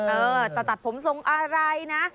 เออแต่ตัดผมส่งอะไรนะ